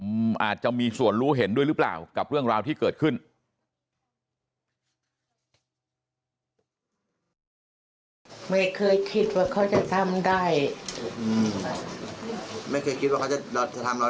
ไม่เคยคิดว่าเขาจะทำได้อืมไม่เคยคิดว่าเขาจะจะทำเราได้จ้ะอืม